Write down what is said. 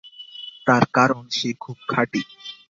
তার কারণ সে খুব খাঁটি।